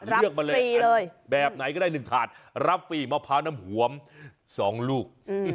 รับฟรีเลยแบบไหนก็ได้หนึ่งถาดรับฟรีมะพร้าวน้ำหวอมสองลูก